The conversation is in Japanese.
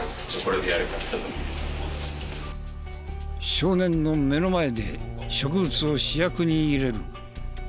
少年の目の前で植物を試薬に入れる。